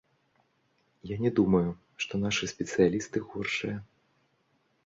Я не думаю, што нашы спецыялісты горшыя.